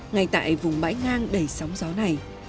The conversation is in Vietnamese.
ngay tại vùng bãi ngang đầy sóng gió này